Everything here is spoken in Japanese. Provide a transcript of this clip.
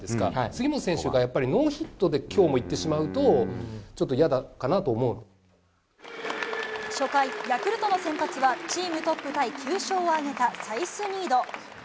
杉本選手がやっぱりノーヒットできょうもいってしまうと、初回、ヤクルトの先発は、チームトップタイ、９勝を挙げたサイスニード。